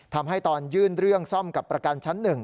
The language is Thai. ทำให้ตอนยื่นเรื่องซ่อมกับประกันชั้น๑